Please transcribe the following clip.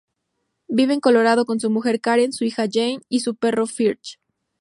Vive en Colorado con su mujer Karen, su hija Jane y su perro Fergie.